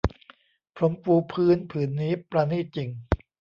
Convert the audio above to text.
พรมปูพื้นผืนนี้ปราณีตจริง